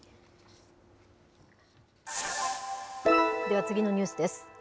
では次のニュースです。